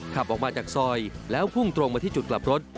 ขับออกมาจากซอยแล้วพุ่งตรงมาที่จุดกลับรถ